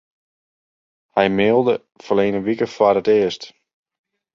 Hy mailde ferline wike foar it earst.